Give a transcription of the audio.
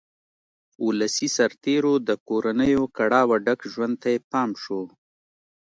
ولسي سرتېرو د کورنیو کړاوه ډک ژوند ته یې پام شو.